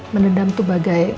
menendam itu bagai